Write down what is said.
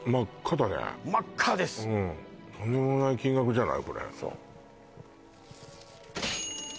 とんでもない金額じゃない？